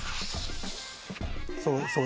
そうそう。